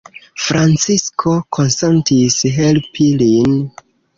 Francisko konsentis helpi lin.